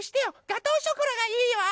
ガトーショコラがいいわ。